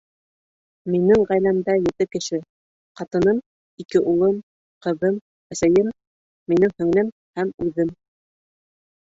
Минең ғаиләмдә ете кеше: ҡатыным, ике улым, ҡыҙым, әсәйем, минең һеңлем һәм үҙем.